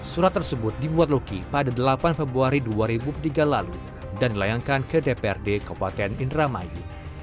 surat tersebut dibuat loki pada delapan februari dua ribu tiga lalu dan dilayangkan ke dprd kabupaten indramayu